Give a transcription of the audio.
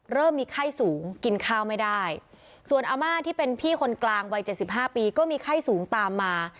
เริ่มมีไข้สูงกินข้าวไม่ได้ส่วนอาม่าที่เป็นพี่คนกลางวัย๗๕ปีก็มีไข้สูงตามมา